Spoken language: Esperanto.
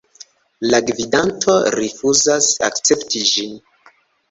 La gvidanto rifuzas akcepti ĝin.